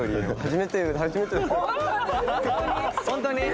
本当に？